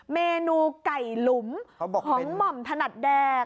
เมนูไก่หลุมของหม่อมถนัดแดง